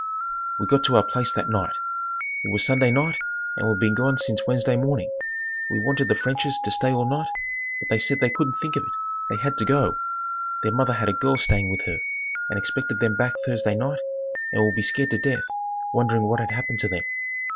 We got to our place that night. It was Sunday night and we'd been gone since Wednesday morning. We wanted the French's to stay all night, but they said they couldn't think of it; they had to go. Their mother had a girl staying with her and expected them back Thursday night and would be scared to death wondering what had happened to them.